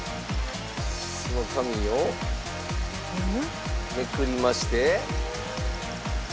その紙をめくりまして。